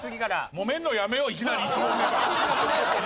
もめるのやめよういきなり１問目から。